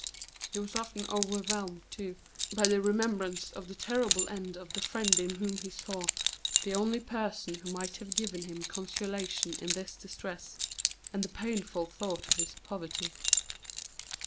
He was often overwhelmed, too, by the remembrance of the terrible end of the friend in whom he saw the only person who might have given him consolation in this distress, and the painful thought of his poverty.